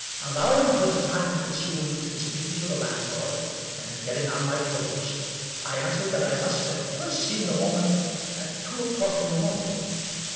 Allowing for the time consumed in speaking to the land lord, and in getting on my clothes, I answered that I must have first seen the Woman at two o'clock in the morning.